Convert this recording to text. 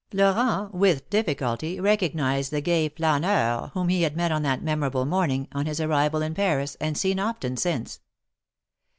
riorent with difficulty recognized the gay flaneur whom he had met on that memorable morning, on his arrival in Paris, and seen often since.